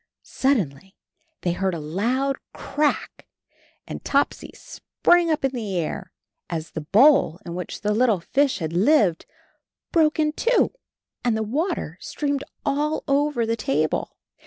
Suddenly they heard a loud CRACK, and Topsy sprang up in the air, as the bowl in which the little fish had lived broke in two. ANB HIS KITTEN TOPSY S7 and the water streamed all over the table.